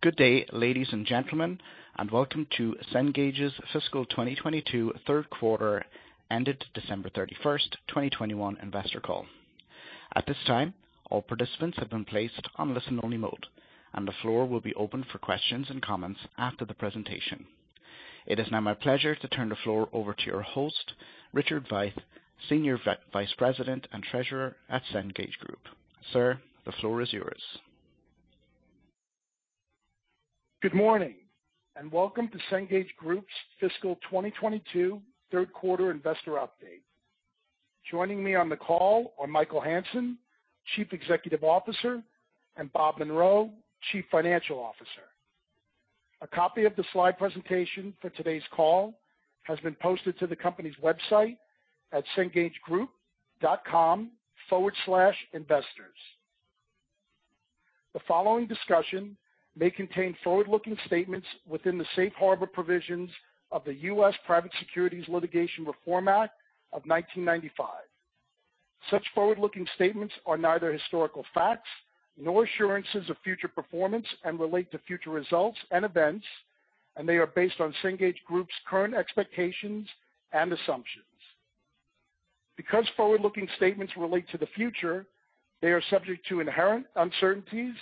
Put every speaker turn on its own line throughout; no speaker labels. Good day, ladies and gentlemen, and welcome to Cengage's Fiscal 2022 Third Quarter Ended December 31st, 2021 investor call. At this time, all participants have been placed on listen-only mode, and the floor will be open for questions and comments after the presentation. It is now my pleasure to turn the floor over to your host, Richard Veith, Senior Vice President and Treasurer at Cengage Group. Sir, the floor is yours.
Good morning, and welcome to Cengage Group's fiscal 2022 third quarter investor update. Joining me on the call are Michael Hansen, Chief Executive Officer, and Bob Munro, Chief Financial Officer. A copy of the slide presentation for today's call has been posted to the company's website at cengagegroup.com/investors. The following discussion may contain forward-looking statements within the safe harbor provisions of the U.S. Private Securities Litigation Reform Act of 1995. Such forward-looking statements are neither historical facts nor assurances of future performance and relate to future results and events, and they are based on Cengage Group's current expectations and assumptions. Because forward-looking statements relate to the future, they are subject to inherent uncertainties,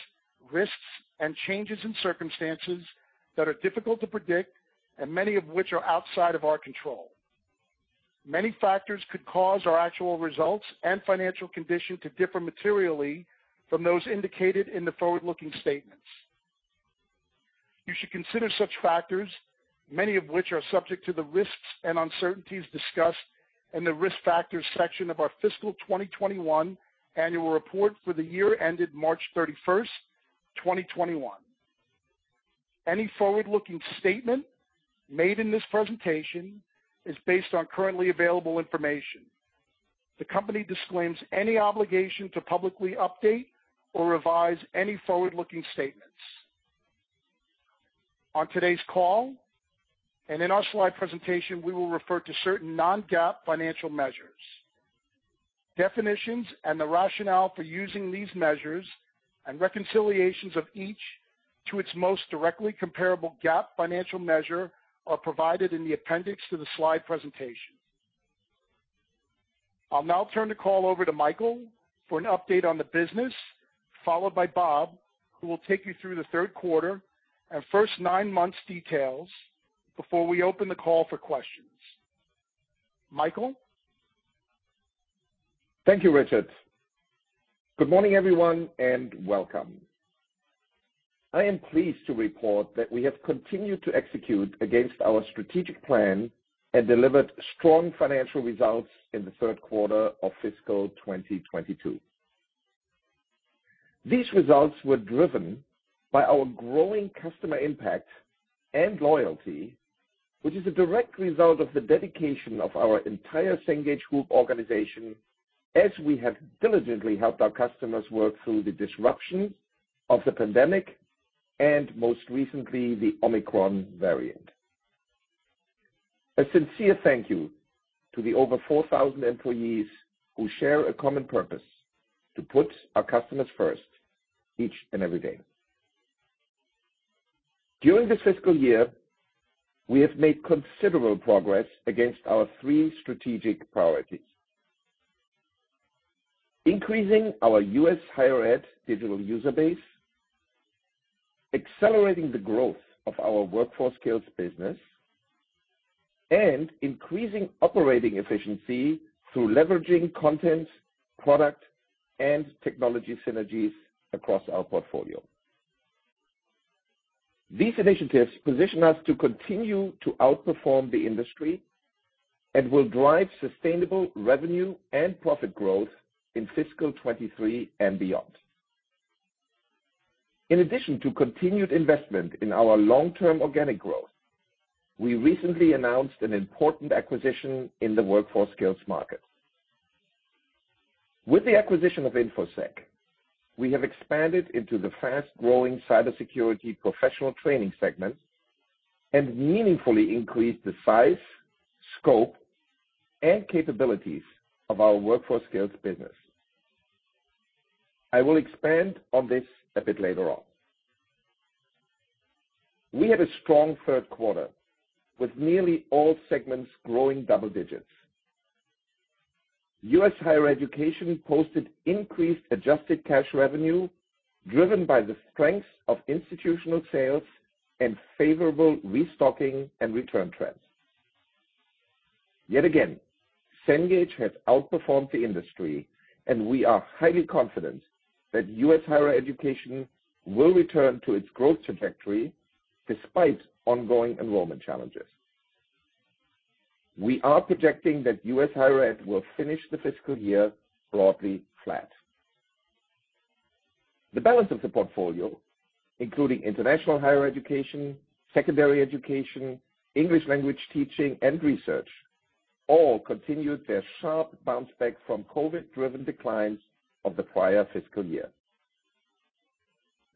risks, and changes in circumstances that are difficult to predict and many of which are outside of our control. Many factors could cause our actual results and financial condition to differ materially from those indicated in the forward-looking statements. You should consider such factors, many of which are subject to the risks and uncertainties discussed in the Risk Factors section of our fiscal 2021 annual report for the year ended March 31st, 2021. Any forward-looking statement made in this presentation is based on currently available information. The company disclaims any obligation to publicly update or revise any forward-looking statements. On today's call, and in our slide presentation, we will refer to certain non-GAAP financial measures. Definitions and the rationale for using these measures and reconciliations of each to its most directly comparable GAAP financial measure are provided in the appendix to the slide presentation. I'll now turn the call over to Michael for an update on the business, followed by Bob, who will take you through the third quarter and first nine months details before we open the call for questions. Michael?
Thank you, Richard. Good morning, everyone, and welcome. I am pleased to report that we have continued to execute against our strategic plan and delivered strong financial results in the third quarter of fiscal 2022. These results were driven by our growing customer impact and loyalty, which is a direct result of the dedication of our entire Cengage Group organization as we have diligently helped our customers work through the disruption of the pandemic and most recently, the Omicron variant. A sincere thank you to the over 4,000 employees who share a common purpose, to put our customers first each and every day. During this fiscal year, we have made considerable progress against our three strategic priorities. Increasing our U.S. Higher Ed digital user base, accelerating the growth of our workforce skills business, and increasing operating efficiency through leveraging content, product, and technology synergies across our portfolio. These initiatives position us to continue to outperform the industry and will drive sustainable revenue and profit growth in fiscal 2023 and beyond. In addition to continued investment in our long-term organic growth, we recently announced an important acquisition in the workforce skills market. With the acquisition of Infosec, we have expanded into the fast-growing cybersecurity professional training segment and meaningfully increased the size, scope, and capabilities of our workforce skills business. I will expand on this a bit later on. We had a strong third quarter, with nearly all segments growing double digits. U.S. Higher Education posted increased adjusted cash revenue driven by the strength of institutional sales and favorable restocking and return trends. Yet again, Cengage has outperformed the industry, and we are highly confident that U.S. Higher Education will return to its growth trajectory despite ongoing enrollment challenges. We are projecting that U.S. Higher Ed will finish the fiscal year broadly flat. The balance of the portfolio, including international higher education, secondary education, English Language Teaching and research, all continued their sharp bounce back from COVID-driven declines of the prior fiscal year.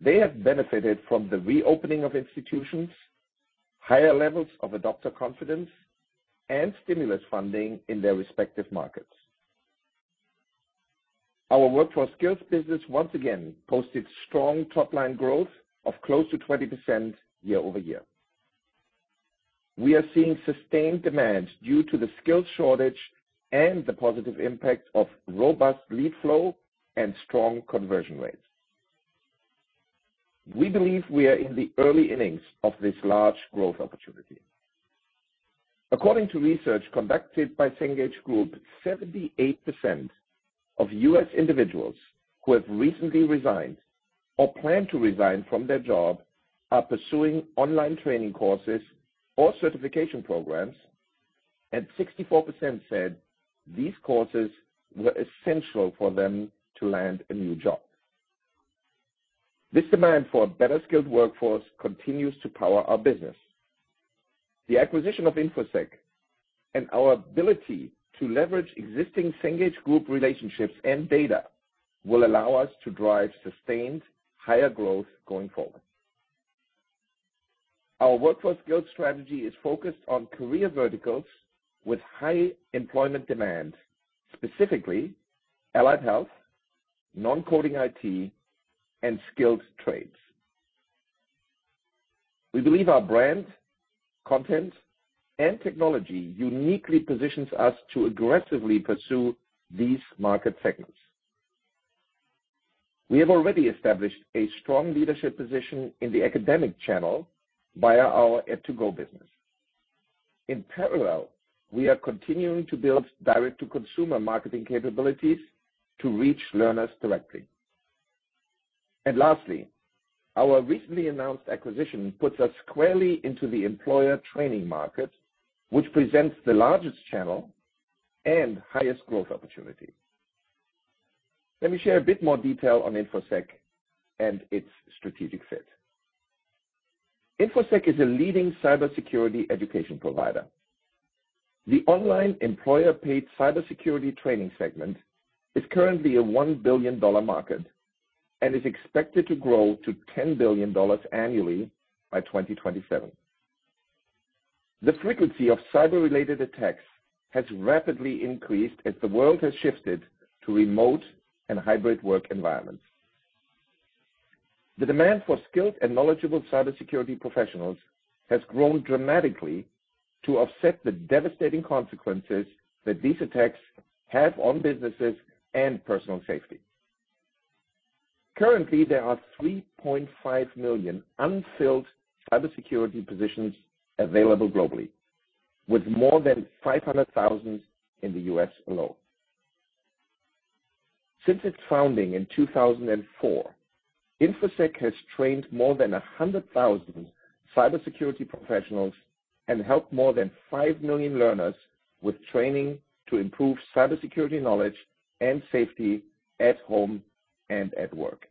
They have benefited from the reopening of institutions, higher levels of adopter confidence, and stimulus funding in their respective markets. Our workforce skills business once again posted strong top-line growth of close to 20% year-over-year. We are seeing sustained demand due to the skills shortage and the positive impact of robust lead flow and strong conversion rates. We believe we are in the early innings of this large growth opportunity. According to research conducted by Cengage Group, 78% of U.S. individuals who have recently resigned or plan to resign from their job are pursuing online training courses or certification programs, and 64% said these courses were essential for them to land a new job. This demand for a better-skilled workforce continues to power our business. The acquisition of Infosec and our ability to leverage existing Cengage Group relationships and data will allow us to drive sustained higher growth going forward. Our workforce skills strategy is focused on career verticals with high employment demand, specifically allied health, non-coding IT, and skilled trades. We believe our brand, content, and technology uniquely positions us to aggressively pursue these market segments. We have already established a strong leadership position in the academic channel via our ed2go business. In parallel, we are continuing to build direct-to-consumer marketing capabilities to reach learners directly. Lastly, our recently announced acquisition puts us squarely into the employer training market, which presents the largest channel and highest growth opportunity. Let me share a bit more detail on Infosec and its strategic fit. Infosec is a leading cybersecurity education provider. The online employer-paid cybersecurity training segment is currently a $1 billion market, and is expected to grow to $10 billion annually by 2027. The frequency of cyber-related attacks has rapidly increased as the world has shifted to remote and hybrid work environments. The demand for skilled and knowledgeable cybersecurity professionals has grown dramatically to offset the devastating consequences that these attacks have on businesses and personal safety. Currently, there are 3.5 million unfilled cybersecurity positions available globally, with more than 500,000 in the U.S. alone. Since its founding in 2004, Infosec has trained more than 100,000 cybersecurity professionals and helped more than 5 million learners with training to improve cybersecurity knowledge and safety at home and at work.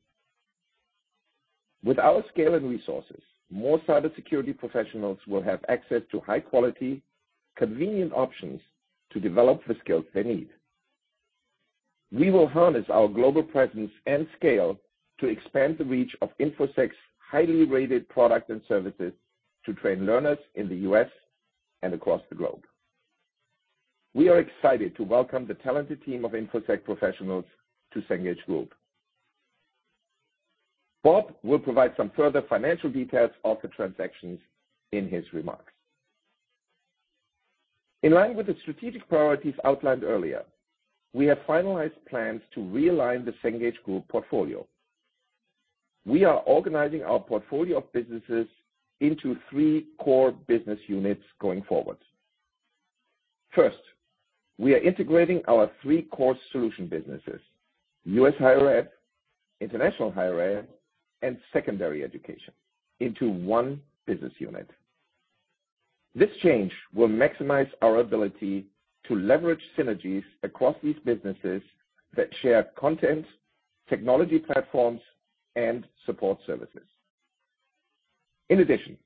With our scale and resources, more cybersecurity professionals will have access to high-quality, convenient options to develop the skills they need. We will harness our global presence and scale to expand the reach of Infosec's highly rated products and services to train learners in the U.S. and across the globe. We are excited to welcome the talented team of Infosec professionals to Cengage Group. Bob will provide some further financial details of the transactions in his remarks. In line with the strategic priorities outlined earlier, we have finalized plans to realign the Cengage Group portfolio. We are organizing our portfolio of businesses into three core business units going forward. First, we are integrating our three core solution businesses, U.S. Higher Ed, International Higher Ed, and Secondary Education, into one business unit. This change will maximize our ability to leverage synergies across these businesses that share content, technology platforms, and support services. In addition,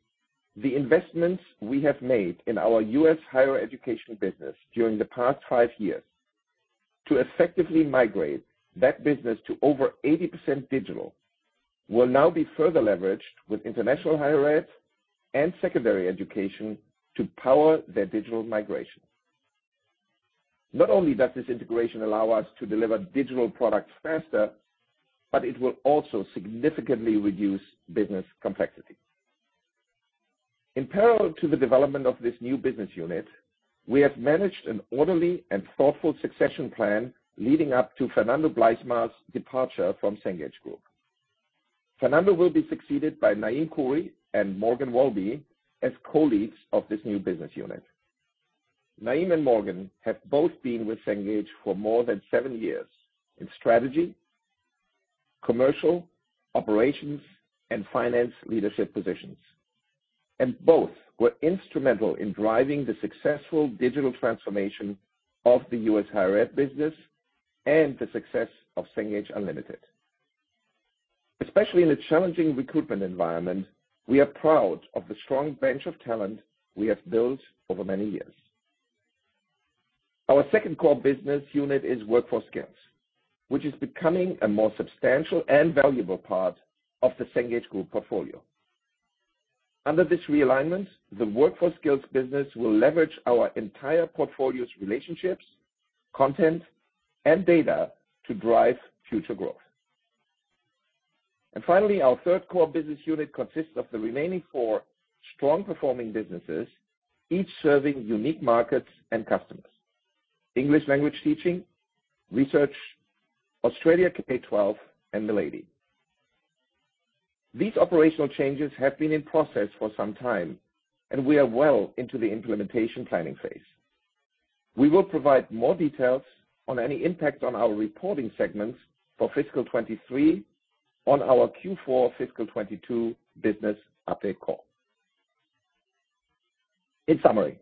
the investments we have made in our U.S. Higher Education business during the past five years to effectively migrate that business to over 80% digital, will now be further leveraged with international higher ed and secondary education to power their digital migration. Not only does this integration allow us to deliver digital products faster, but it will also significantly reduce business complexity. In parallel to the development of this new business unit, we have managed an orderly and thoughtful succession plan leading up to Fernando Bleichmar's departure from Cengage Group. Fernando will be succeeded by Nhaim Khoury and Morgan Wolbe as co-leads of this new business unit. Nhaim and Morgan have both been with Cengage for more than seven years in strategy, commercial, operations, and finance leadership positions. Both were instrumental in driving the successful digital transformation of the U.S. Higher Ed business and the success of Cengage Unlimited. Especially in a challenging recruitment environment, we are proud of the strong bench of talent we have built over many years. Our second core business unit is workforce skills, which is becoming a more substantial and valuable part of the Cengage Group portfolio. Under this realignment, the workforce skills business will leverage our entire portfolio's relationships, content, and data to drive future growth. Finally, our third core business unit consists of the remaining four strong performing businesses, each serving unique markets and customers. English Language Teaching, Research, Australia K-12, and Milady. These operational changes have been in process for some time, and we are well into the implementation planning phase. We will provide more details on any impact on our reporting segments for fiscal 2023 on our Q4 fiscal 2022 business update call. In summary,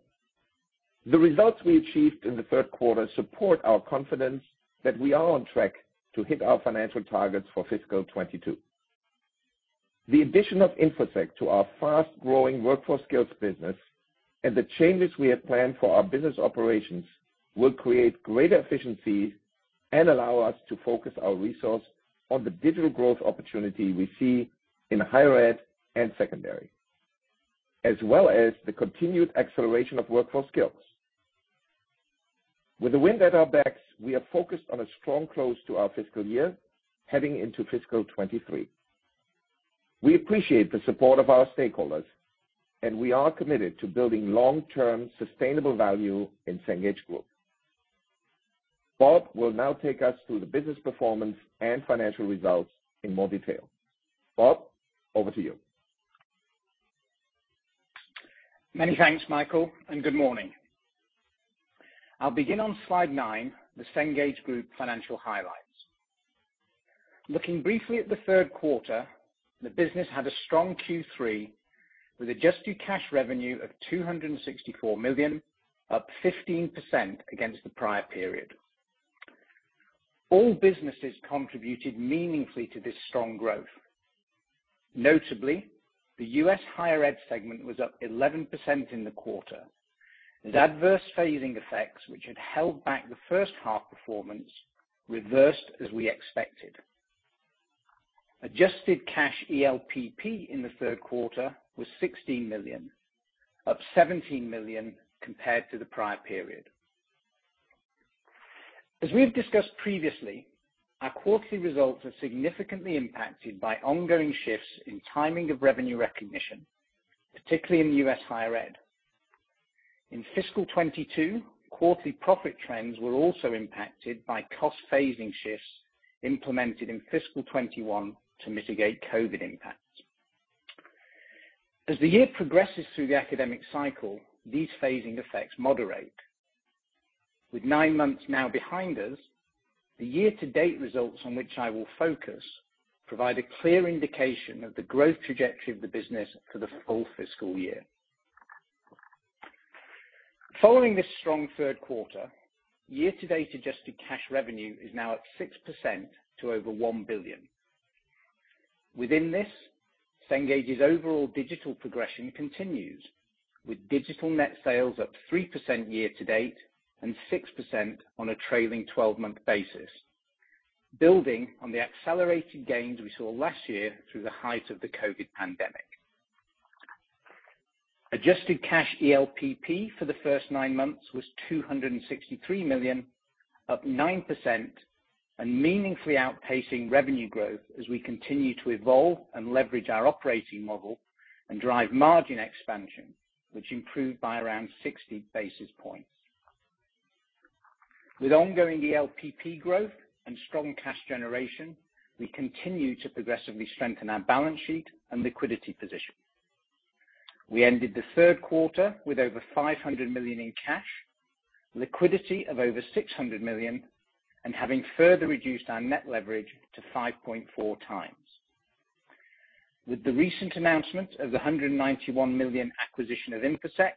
the results we achieved in the third quarter support our confidence that we are on track to hit our financial targets for fiscal 2022. The addition of Infosec to our fast-growing workforce skills business and the changes we have planned for our business operations will create greater efficiencies and allow us to focus our resources on the digital growth opportunity we see in higher ed and secondary, as well as the continued acceleration of workforce skills. With the wind at our backs, we are focused on a strong close to our fiscal year heading into fiscal 2023. We appreciate the support of our stakeholders, and we are committed to building long-term sustainable value in Cengage Group. Bob will now take us through the business performance and financial results in more detail. Bob, over to you.
Many thanks, Michael, and good morning. I'll begin on slide nine, the Cengage Group financial highlights. Looking briefly at the third quarter, the business had a strong Q3 with adjusted cash revenue of $264 million, up 15% against the prior period. All businesses contributed meaningfully to this strong growth. Notably, the U.S. Higher Ed segment was up 11% in the quarter as adverse phasing effects, which had held back the first half performance, reversed as we expected. Adjusted cash ELPP in the third quarter was $16 million, up $17 million compared to the prior period. As we've discussed previously, our quarterly results are significantly impacted by ongoing shifts in timing of revenue recognition, particularly in U.S. Higher Ed. In fiscal 2022, quarterly profit trends were also impacted by cost phasing shifts implemented in fiscal 2021 to mitigate COVID impacts. As the year progresses through the academic cycle, these phasing effects moderate. With nine months now behind us, the year-to-date results on which I will focus provide a clear indication of the growth trajectory of the business for the full fiscal year. Following this strong third quarter, year-to-date adjusted cash revenue is now up 6% to over $1 billion. Within this, Cengage's overall digital progression continues, with digital net sales up 3% year-to-date, and 6% on a trailing twelve-month basis, building on the accelerated gains we saw last year through the height of the COVID pandemic. Adjusted cash ELPP for the first nine months was $263 million, up 9% and meaningfully outpacing revenue growth as we continue to evolve and leverage our operating model and drive margin expansion, which improved by around 60 basis points. With ongoing ELPP growth and strong cash generation, we continue to progressively strengthen our balance sheet and liquidity position. We ended the third quarter with over $500 million in cash, liquidity of over $600 million, and having further reduced our net leverage to 5.4x. With the recent announcement of the $191 million acquisition of Infosec,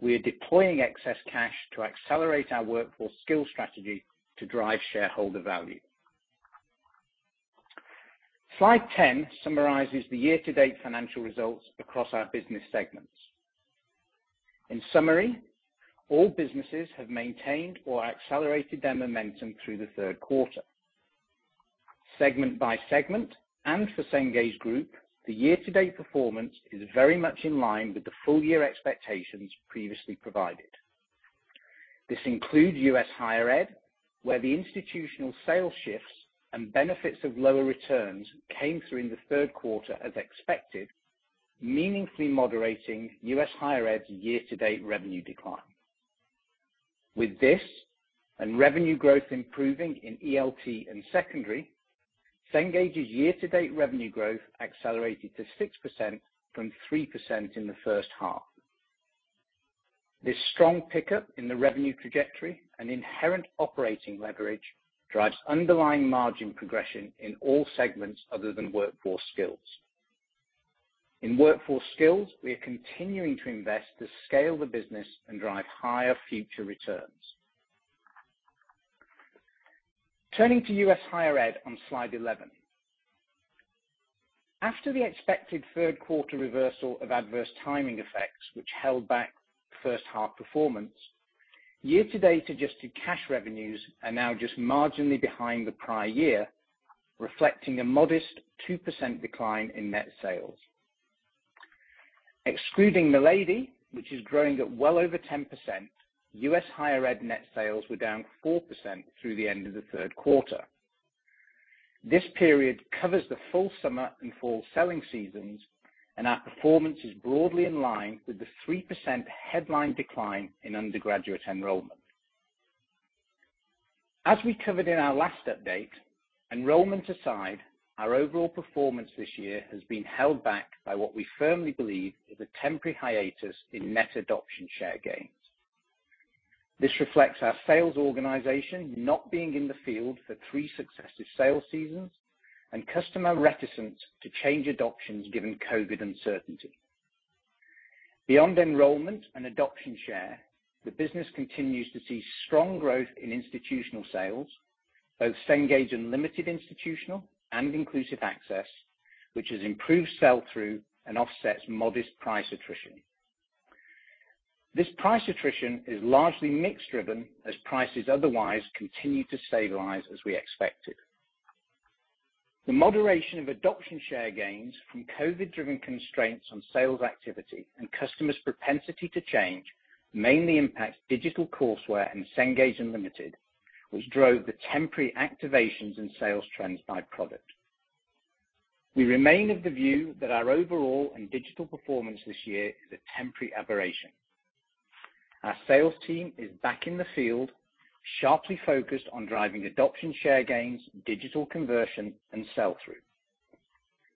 we are deploying excess cash to accelerate our workforce skills strategy to drive shareholder value. Slide 10 summarizes the year-to-date financial results across our business segments. In summary, all businesses have maintained or accelerated their momentum through the third quarter. Segment by segment, and for Cengage Group, the year-to-date performance is very much in line with the full-year expectations previously provided. This includes U.S. Higher Ed, where the institutional sales shifts and benefits of lower returns came through in the third quarter as expected, meaningfully moderating U.S. Higher Ed's year-to-date revenue decline. With this, and revenue growth improving in ELT and Secondary, Cengage's year-to-date revenue growth accelerated to 6% from 3% in the first half. This strong pickup in the revenue trajectory and inherent operating leverage drives underlying margin progression in all segments other than workforce skills. In workforce skills, we are continuing to invest to scale the business and drive higher future returns. Turning to U.S. Higher Ed on slide 11. After the expected third quarter reversal of adverse timing effects, which held back first half performance. Year-to-date adjusted cash revenues are now just marginally behind the prior year, reflecting a modest 2% decline in net sales. Excluding Milady, which is growing at well over 10%, U.S. Higher Ed net sales were down 4% through the end of the third quarter. This period covers the full summer and fall selling seasons, and our performance is broadly in line with the 3% headline decline in undergraduate enrollment. As we covered in our last update, enrollment aside, our overall performance this year has been held back by what we firmly believe is a temporary hiatus in net adoption share gains. This reflects our sales organization not being in the field for three successive sales seasons and customer reticence to change adoptions given COVID uncertainty. Beyond enrollment and adoption share, the business continues to see strong growth in institutional sales, both Cengage Unlimited Institutional and Inclusive Access, which has improved sell-through and offsets modest price attrition. This price attrition is largely mix-driven as prices otherwise continue to stabilize as we expected. The moderation of adoption share gains from COVID-driven constraints on sales activity and customers' propensity to change mainly impacts digital courseware and Cengage Unlimited, which drove the temporary activations in sales trends by product. We remain of the view that our overall and digital performance this year is a temporary aberration. Our sales team is back in the field, sharply focused on driving adoption share gains, digital conversion, and sell-through.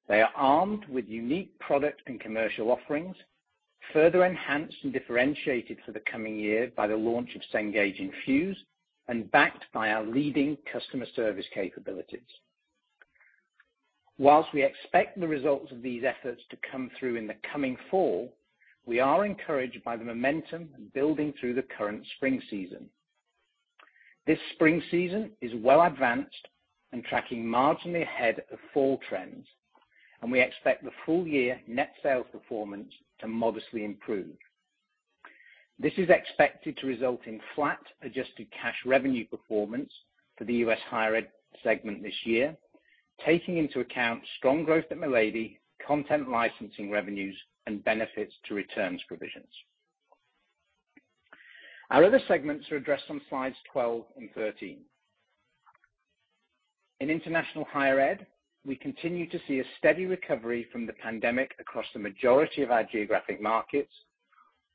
They are armed with unique product and commercial offerings, further enhanced and differentiated for the coming year by the launch of Cengage Infuse and backed by our leading customer service capabilities. While we expect the results of these efforts to come through in the coming fall, we are encouraged by the momentum building through the current spring season. This spring season is well advanced and tracking marginally ahead of fall trends, and we expect the full year net sales performance to modestly improve. This is expected to result in flat adjusted cash revenue performance for the U.S. Higher Ed segment this year, taking into account strong growth at Milady, content licensing revenues, and benefits to returns provisions. Our other segments are addressed on slides 12 and 13. In International Higher Ed, we continue to see a steady recovery from the pandemic across the majority of our geographic markets,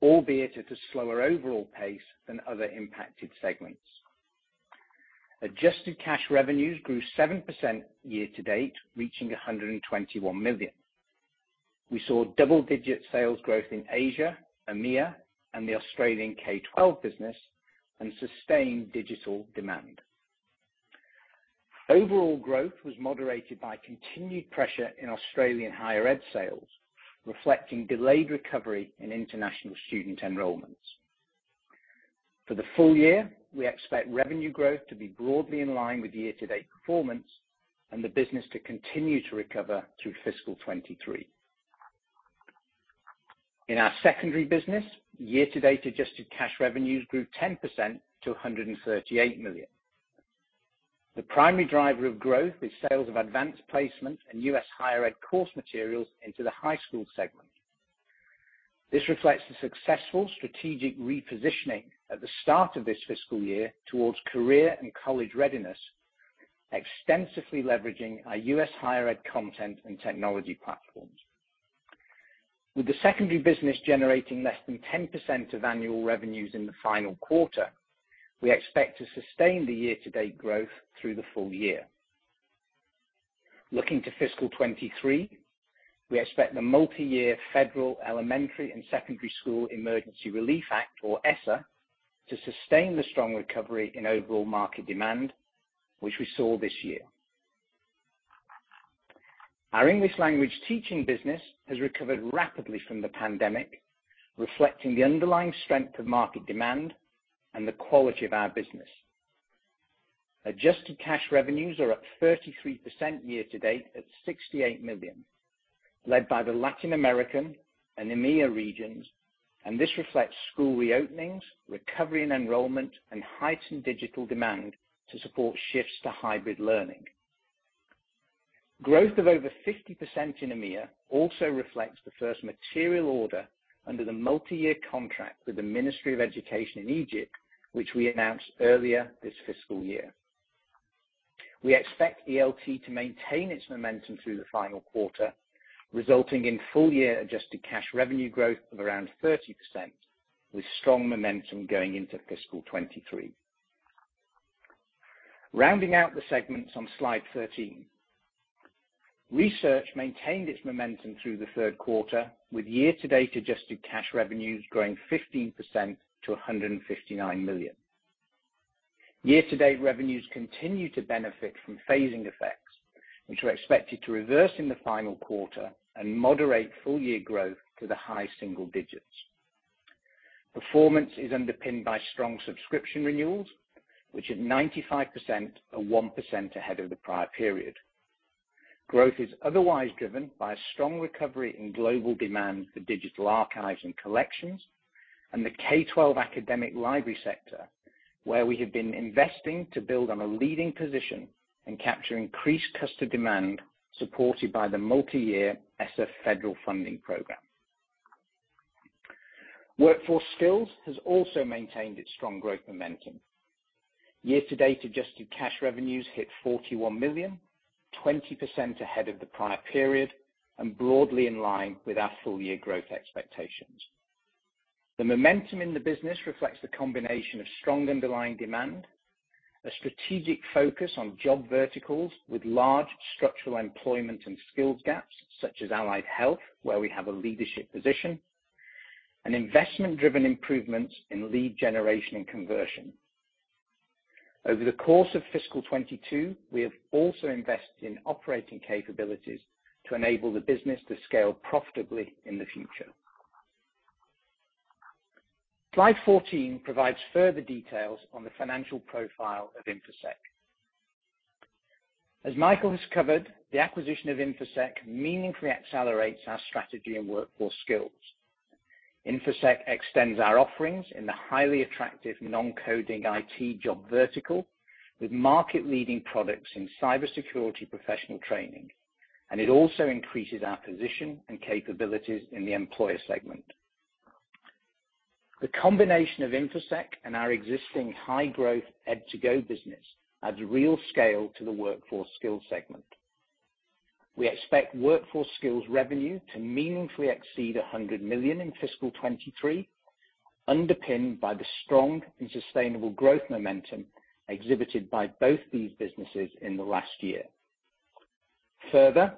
albeit at a slower overall pace than other impacted segments. Adjusted cash revenues grew 7% year-to-date, reaching $121 million. We saw double-digit sales growth in Asia, EMEA, and the Australian K-12 business and sustained digital demand. Overall growth was moderated by continued pressure in Australian Higher Ed sales, reflecting delayed recovery in international student enrollments. For the full year, we expect revenue growth to be broadly in line with year-to-date performance and the business to continue to recover through fiscal 2023. In our secondary business, year-to-date adjusted cash revenues grew 10% to $138 million. The primary driver of growth is sales of advanced placement and U.S .Higher Ed course materials into the high school segment. This reflects the successful strategic repositioning at the start of this fiscal year towards career and college readiness, extensively leveraging our U.S. Higher Ed content and technology platforms. With the secondary business generating less than 10% of annual revenues in the final quarter, we expect to sustain the year-to-date growth through the full year. Looking to fiscal 2023, we expect the multi-year Federal Elementary and Secondary School Emergency Relief Fund, or ESSER, to sustain the strong recovery in overall market demand, which we saw this year. Our English Language Teaching business has recovered rapidly from the pandemic, reflecting the underlying strength of market demand and the quality of our business. Adjusted cash revenues are up 33% year-to-date at $68 million, led by the Latin American and EMEA regions, and this reflects school reopenings, recovery in enrollment, and heightened digital demand to support shifts to hybrid learning. Growth of over 50% in EMEA also reflects the first material order under the multi-year contract with the Ministry of Education in Egypt, which we announced earlier this fiscal year. We expect ELT to maintain its momentum through the final quarter, resulting in full-year adjusted cash revenue growth of around 30%, with strong momentum going into fiscal 2023. Rounding out the segments on slide 13, research maintained its momentum through the third quarter, with year-to-date adjusted cash revenues growing 15% to $159 million. Year-to-date revenues continue to benefit from phasing effects, which are expected to reverse in the final quarter and moderate full-year growth to the high single digits. Performance is underpinned by strong subscription renewals, which at 95% are 1% ahead of the prior period. Growth is otherwise driven by a strong recovery in global demand for digital archives and collections, and the K-12 academic library sector, where we have been investing to build on a leading position and capture increased customer demand supported by the multi-year ESSER federal funding program. Workforce skills has also maintained its strong growth momentum. Year to date, adjusted cash revenues hit $41 million, 20% ahead of the prior period, and broadly in line with our full year growth expectations. The momentum in the business reflects the combination of strong underlying demand, a strategic focus on job verticals with large structural employment and skills gaps such as allied health, where we have a leadership position, and investment driven improvements in lead generation and conversion. Over the course of fiscal 2022, we have also invested in operating capabilities to enable the business to scale profitably in the future. Slide 14 provides further details on the financial profile of Infosec. As Michael has covered, the acquisition of Infosec meaningfully accelerates our strategy and workforce skills. Infosec extends our offerings in the highly attractive non-coding IT job vertical with market-leading products in cybersecurity professional training. It also increases our position and capabilities in the employer segment. The combination of Infosec and our existing high-growth ed2go business adds real scale to the workforce skills segment. We expect workforce skills revenue to meaningfully exceed $100 million in fiscal 2023, underpinned by the strong and sustainable growth momentum exhibited by both these businesses in the last year. Further,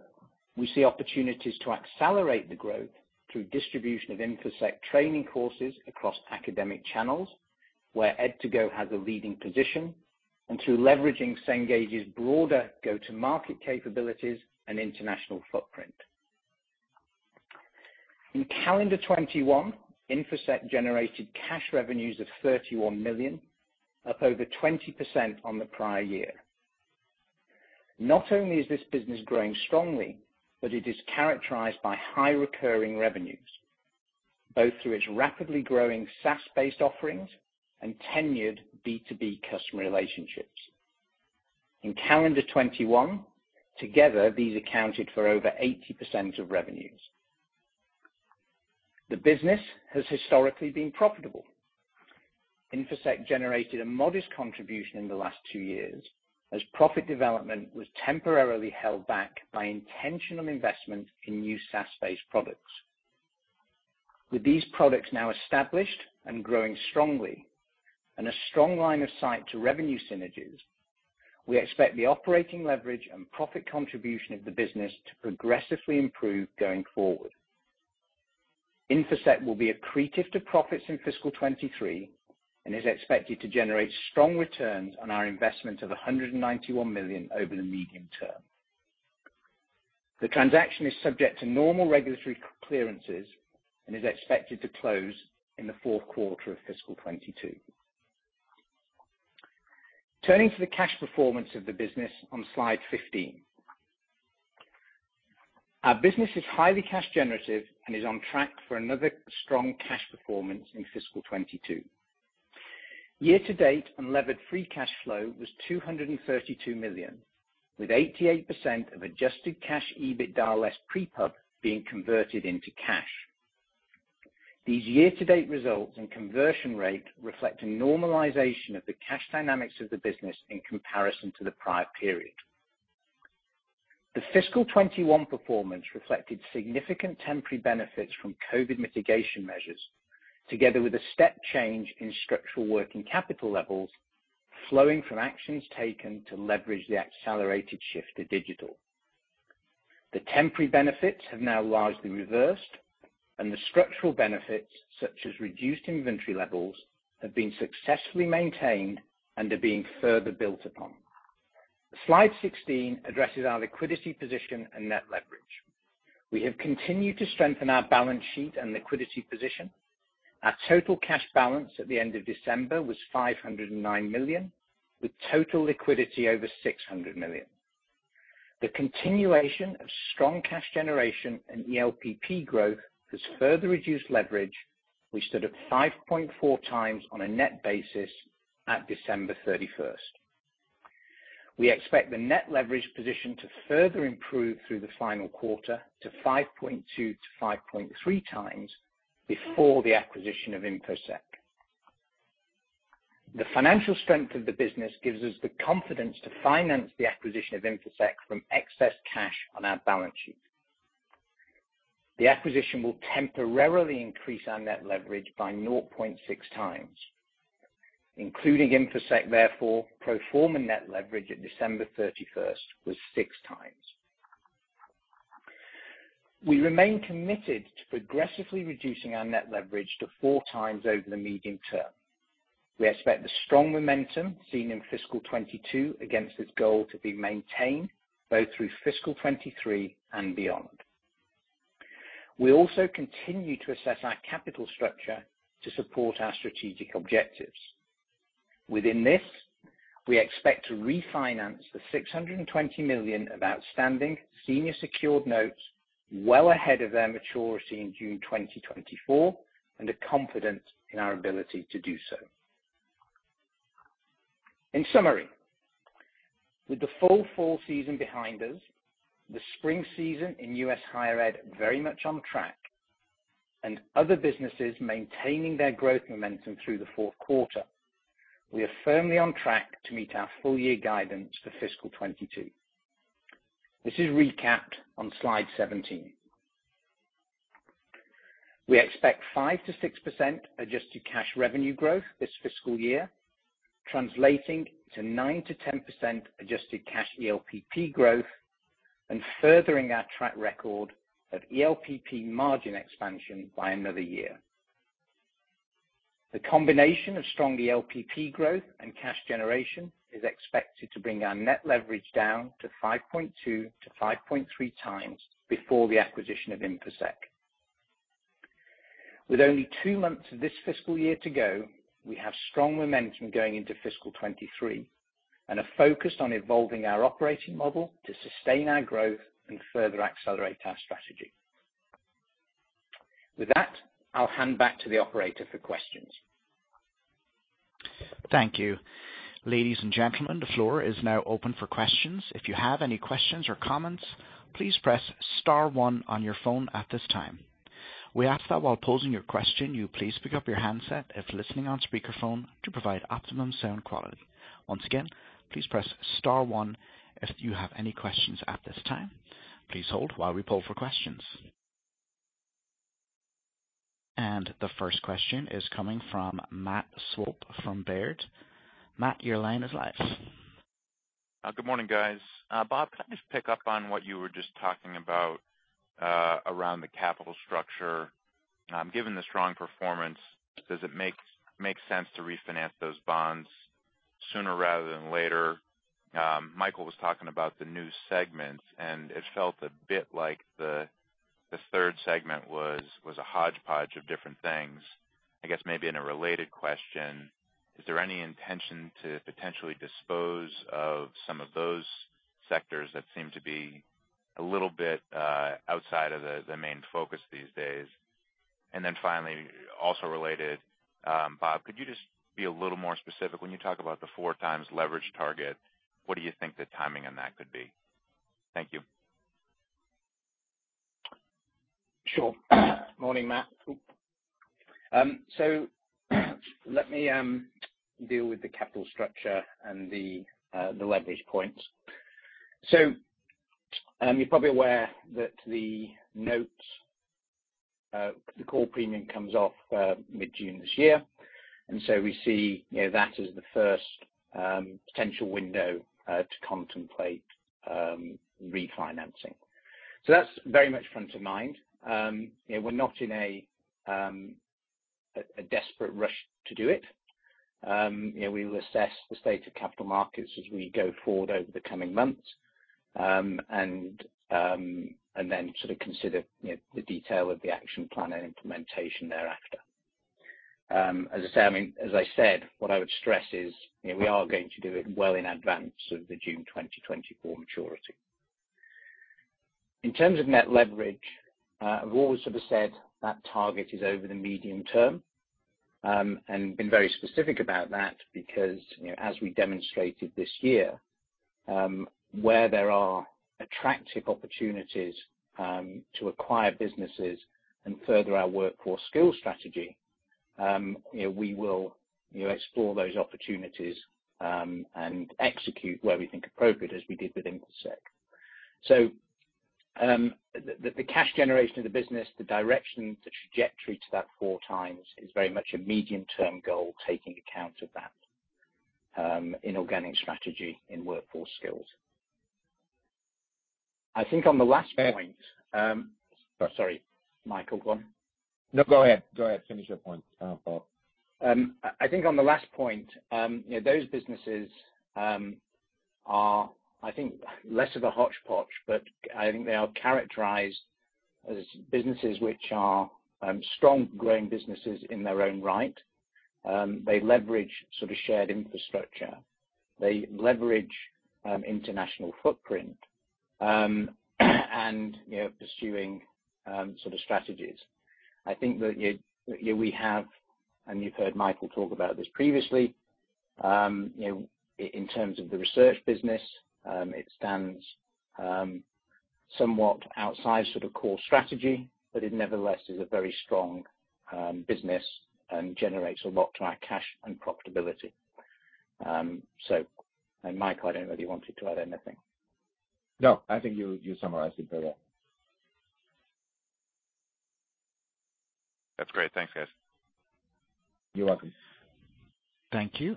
we see opportunities to accelerate the growth through distribution of Infosec training courses across academic channels, where ed2go has a leading position, and through leveraging Cengage's broader go-to-market capabilities and international footprint. In calendar 2021, Infosec generated cash revenues of $31 million, up over 20% on the prior year. Not only is this business growing strongly, but it is characterized by high recurring revenues, both through its rapidly growing SaaS-based offerings and tenured B2B customer relationships. In calendar 2021, together, these accounted for over 80% of revenues. The business has historically been profitable. Infosec generated a modest contribution in the last two years as profit development was temporarily held back by intentional investment in new SaaS-based products. With these products now established and growing strongly and a strong line of sight to revenue synergies, we expect the operating leverage and profit contribution of the business to progressively improve going forward. Infosec will be accretive to profits in fiscal 2023 and is expected to generate strong returns on our investment of $191 million over the medium term. The transaction is subject to normal regulatory clearances and is expected to close in the fourth quarter of fiscal 2022. Turning to the cash performance of the business on slide 15. Our business is highly cash generative and is on track for another strong cash performance in fiscal 2022. Year to date, unlevered free cash flow was $232 million, with 88% of adjusted cash EBITDA less pre-pub being converted into cash. These year-to-date results and conversion rate reflect a normalization of the cash dynamics of the business in comparison to the prior period. The fiscal 2021 performance reflected significant temporary benefits from COVID mitigation measures, together with a step change in structural working capital levels flowing from actions taken to leverage the accelerated shift to digital. The temporary benefits have now largely reversed, and the structural benefits, such as reduced inventory levels, have been successfully maintained and are being further built upon. Slide 16 addresses our liquidity position and net leverage. We have continued to strengthen our balance sheet and liquidity position. Our total cash balance at the end of December was $509 million, with total liquidity over $600 million. The continuation of strong cash generation and ELPP growth has further reduced leverage, which stood at 5.4x on a net basis at December 31st. We expect the net leverage position to further improve through the final quarter to 5.2x-5.3x before the acquisition of Infosec. The financial strength of the business gives us the confidence to finance the acquisition of Infosec from excess cash on our balance sheet. The acquisition will temporarily increase our net leverage by 0.6x. Including Infosec, therefore, pro forma net leverage at December 31st was 6x. We remain committed to progressively reducing our net leverage to 4x over the medium term. We expect the strong momentum seen in fiscal 2022 against this goal to be maintained both through fiscal 2023 and beyond. We also continue to assess our capital structure to support our strategic objectives. Within this, we expect to refinance the $620 million of outstanding senior secured notes well ahead of their maturity in June 2024 and are confident in our ability to do so. In summary, with the full fall season behind us, the spring season in U.S. Higher Ed very much on track, and other businesses maintaining their growth momentum through the fourth quarter, we are firmly on track to meet our full year guidance for fiscal 2022. This is recapped on slide 17. We expect 5%-6% adjusted cash revenue growth this fiscal year, translating to 9%-10% adjusted cash ELPP growth and furthering our track record of ELPP margin expansion by another year. The combination of strong ELPP growth and cash generation is expected to bring our net leverage down to 5.2x-5.3x before the acquisition of Infosec. With only two months of this fiscal year to go, we have strong momentum going into fiscal 2023 and are focused on evolving our operating model to sustain our growth and further accelerate our strategy. With that, I'll hand back to the operator for questions.
Thank you. Ladies and gentlemen, the floor is now open for questions. If you have any questions or comments, please press star one on your phone at this time. We ask that while posing your question, you please pick up your handset if listening on speakerphone to provide optimum sound quality. Once again, please press star one if you have any questions at this time. Please hold while we poll for questions. The first question is coming from Matt Swope from Baird. Matt, your line is live.
Good morning, guys. Bob, can I just pick up on what you were just talking about around the capital structure? Given the strong performance, does it make sense to refinance those bonds sooner rather than later? Michael was talking about the new segments, and it felt a bit like the third segment was a hodgepodge of different things. I guess maybe in a related question, is there any intention to potentially dispose of some of those sectors that seem to be a little bit outside of the main focus these days? Finally, also related, Bob, could you just be a little more specific when you talk about the 4x leverage target, what do you think the timing on that could be? Thank you.
Sure. Morning, Matt Swope. Let me deal with the capital structure and the leverage points. You're probably aware that the notes, the call premium comes off, mid-June this year, and so we see, you know, that as the first potential window to contemplate refinancing. That's very much front of mind. You know, we're not in a desperate rush to do it. You know, we will assess the state of capital markets as we go forward over the coming months, and then sort of consider, you know, the detail of the action plan and implementation thereafter. As I say, I mean, as I said, what I would stress is, you know, we are going to do it well in advance of the June 2024 maturity. In terms of net leverage, we've always sort of said that target is over the medium term, and been very specific about that because, you know, as we demonstrated this year, where there are attractive opportunities, to acquire businesses and further our workforce skill strategy, you know, we will, you know, explore those opportunities, and execute where we think appropriate as we did with Infosec. The cash generation of the business, the direction, the trajectory to that four times is very much a medium-term goal taking account of that, inorganic strategy in workforce skills. I think on the last point. Oh, sorry, Michael, go on.
No, go ahead. Go ahead. Finish your point, Bob.
I think on the last point, you know, those businesses are, I think, less of a hodgepodge, but I think they are characterized as businesses which are strong growing businesses in their own right. They leverage sort of shared infrastructure. They leverage international footprint, and, you know, pursuing sort of strategies. I think that, you know, we have, and you've heard Michael talk about this previously, you know, in terms of the research business, it stands somewhat outside sort of core strategy, but it nevertheless is a very strong business and generates a lot to our cash and profitability. So. Michael, I don't know if you wanted to add anything.
No, I think you summarized it very well.
That's great. Thanks, guys.
You're welcome.
Thank you.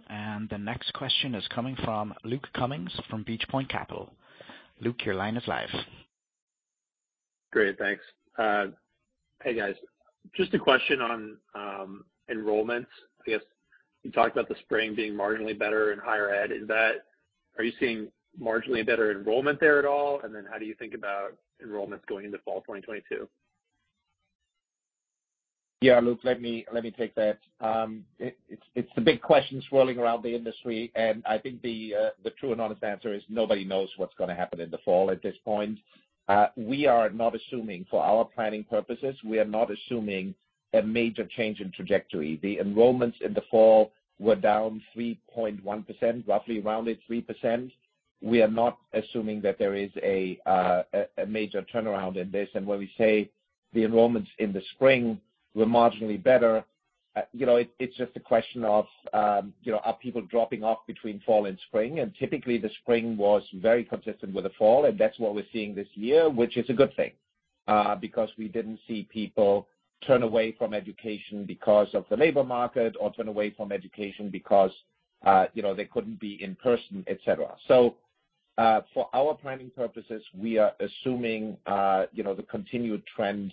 The next question is coming from Luke Cummings from Beach Point Capital. Luke, your line is live.
Great. Thanks. Hey, guys. Just a question on enrollment, I guess. You talked about the spring being marginally better in Higher Ed. Are you seeing marginally better enrollment there at all? And then how do you think about enrollments going into fall 2022?
Yeah, Luke, let me take that. It's the big question swirling around the industry, and I think the true and honest answer is nobody knows what's gonna happen in the fall at this point. We are not assuming, for our planning purposes, we are not assuming a major change in trajectory. The enrollments in the fall were down 3.1%, roughly rounded 3%. We are not assuming that there is a major turnaround in this. When we say the enrollments in the spring were marginally better, you know, it's just a question of, you know, are people dropping off between fall and spring? Typically, the spring was very consistent with the fall, and that's what we're seeing this year, which is a good thing, because we didn't see people turn away from education because of the labor market or turn away from education because, you know, they couldn't be in person, et cetera. For our planning purposes, we are assuming, you know, the continued trend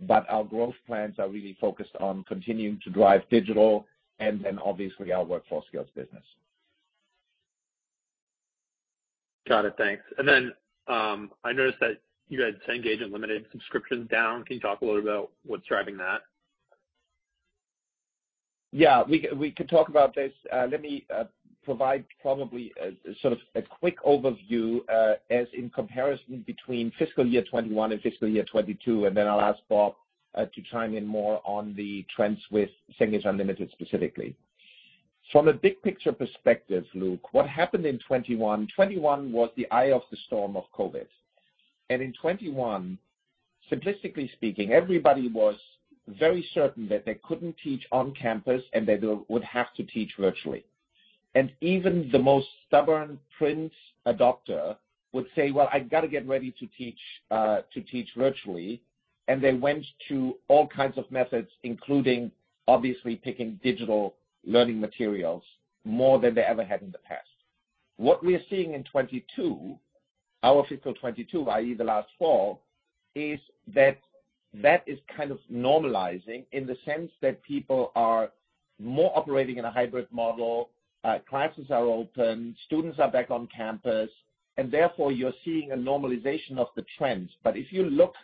of pressure on enrollment. Our growth plans are really focused on continuing to drive digital and then obviously our workforce skills business.
Got it. Thanks. I noticed that you had Cengage Unlimited subscriptions down. Can you talk a little about what's driving that?
Yeah. We can talk about this. Let me provide probably a sort of a quick overview as in comparison between fiscal year 2021 and fiscal year 2022, and then I'll ask Bob to chime in more on the trends with Cengage Unlimited specifically. From a big picture perspective, Luke, what happened in 2021 was the eye of the storm of COVID. In 2021, simplistically speaking, everybody was very certain that they couldn't teach on campus and they would have to teach virtually. And even the most stubborn price adopter would say "Well, I gotta get ready to teach virtually." They went to all kinds of methods, including obviously picking digital learning materials more than they ever had in the past. What we are seeing in 2022, our fiscal 2022, i.e. The last fall is that is kind of normalizing in the sense that people are more operating in a hybrid model, classes are open, students are back on campus, and therefore you're seeing a normalization of the trends. If you look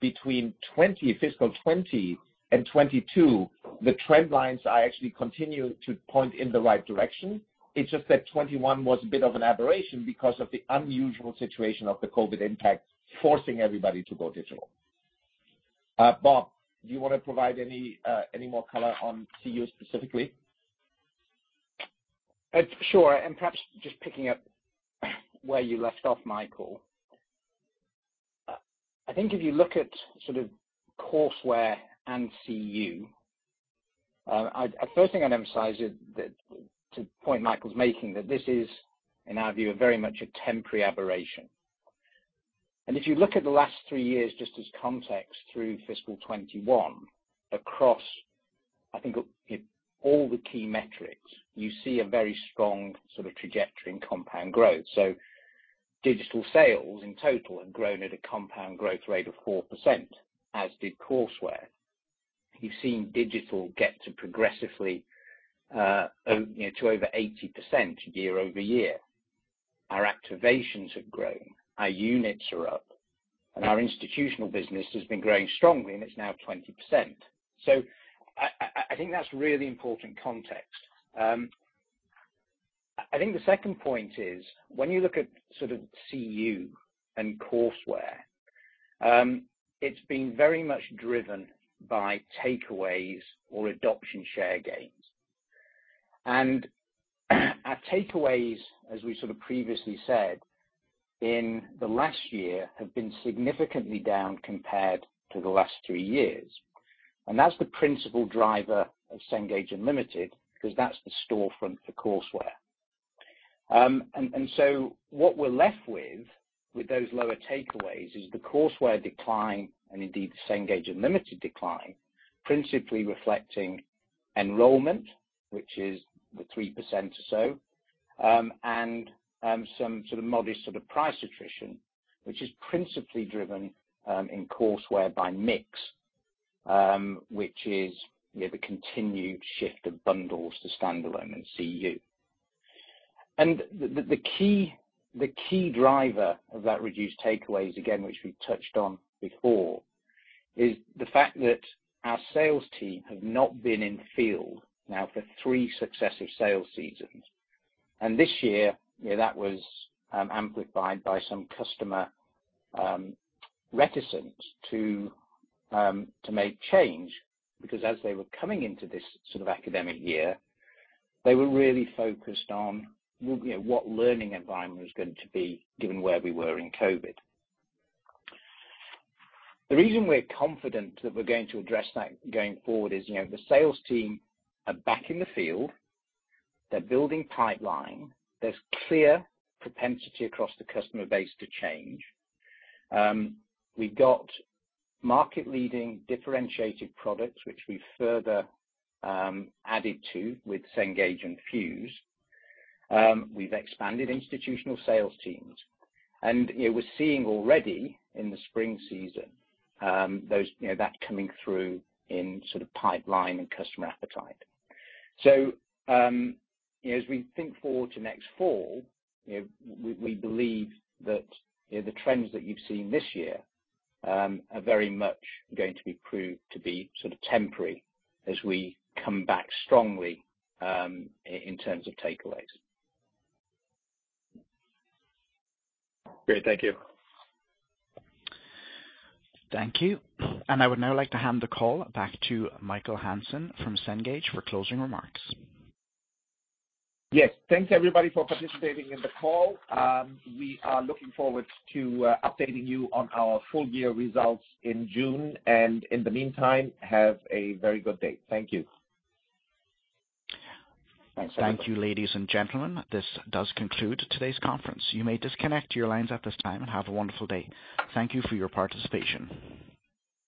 between fiscal 2020 and 2022, the trend lines are actually continue to point in the right direction. It's just that 2021 was a bit of an aberration because of the unusual situation of the COVID impact forcing everybody to go digital. Bob, do you wanna provide any more color on CU specifically?
Sure. Perhaps just picking up where you left off, Michael. I think if you look at sort of courseware and CU, I'd. First thing I'd emphasize is that to the point Michael's making, that this is, in our view, very much a temporary aberration. If you look at the last three years just as context through fiscal 2021, across, I think it, all the key metrics, you see a very strong sort of trajectory in compound growth. Digital sales in total have grown at a compound growth rate of 4%, as did courseware. You've seen digital get to progressively, you know, to over 80% year-over-year. Our activations have grown, our units are up, and our institutional business has been growing strongly, and it's now 20%. I think that's really important context. I think the second point is when you look at sort of CU and courseware, it's been very much driven by takeaways or adoption share gains. Takeaways, as we sort of previously said, in the last year have been significantly down compared to the last three years. That's the principal driver of Cengage Unlimited 'cause that's the storefront for courseware. What we're left with those lower takeaways is the courseware decline, and indeed the Cengage Unlimited decline, principally reflecting enrollment, which is the 3% or so, and some sort of modest price attrition, which is principally driven in courseware by mix, which is, you know, the continued shift of bundles to standalone and CU. The key driver of that reduced takeaways, again, which we touched on before, is the fact that our sales team have not been in field now for three successive sales seasons. This year, you know, that was amplified by some customer reticence to make change, because as they were coming into this sort of academic year, they were really focused on, you know, what learning environment was going to be given where we were in COVID. The reason we're confident that we're going to address that going forward is, you know, the sales team are back in the field. They're building pipeline. There's clear propensity across the customer base to change. We've got market-leading differentiated products, which we've further added to with Cengage Infuse. We've expanded institutional sales teams and, you know, we're seeing already in the spring season those, you know, that coming through in sort of pipeline and customer appetite. So, you know, as we think forward to next fall, you know, we believe that, you know, the trends that you've seen this year are very much going to be proved to be sort of temporary as we come back strongly in terms of takeaways.
Great. Thank you.
Thank you. I would now like to hand the call back to Michael Hansen from Cengage for closing remarks.
Yes. Thanks, everybody, for participating in the call. We are looking forward to updating you on our full year results in June. In the meantime, have a very good day. Thank you.
Thanks, everybody.
Thank you, ladies and gentlemen. This does conclude today's conference. You may disconnect your lines at this time, and have a wonderful day. Thank you for your participation.